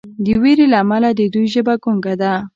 د ویرې له امله د دوی ژبه ګونګه ده.